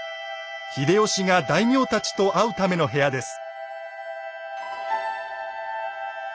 秀吉が大名たちと会うための部屋です。